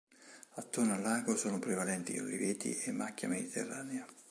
Attorno al lago sono prevalenti oliveti e macchia mediterranea.